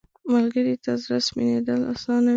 ملګری ته زړه سپینېدل اسانه وي